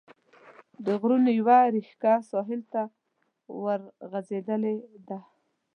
د غرونو یوه ريښکه ساحل ته ورغځېدلې ده.